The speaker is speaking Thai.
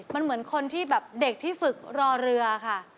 มันเหมือนคนที่แบบเด็กที่ฝึกรอเรือค่ะ